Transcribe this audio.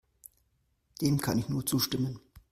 Dem kann ich nur zustimmen.